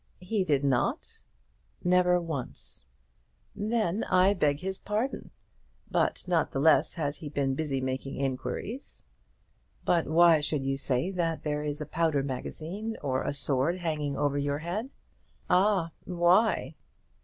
"He did not?" "Never once." "Then I beg his pardon. But not the less has he been busy making inquiries." "But why should you say that there is a powder magazine, or a sword hanging over your head?" "Ah, why?"